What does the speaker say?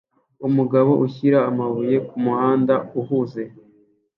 Umugabo ushyira amabuye kumuhanda uhuze